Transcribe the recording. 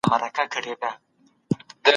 بې ځایه سوي بهر ته د سفر ازادي نه لري.